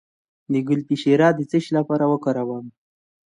د ګلپي شیره د څه لپاره وکاروم؟